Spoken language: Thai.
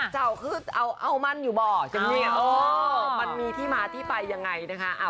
เจ้าคือเอามั่นอยู่บ่อเจมนี่มันมีที่มาที่ไปยังไงนะคะ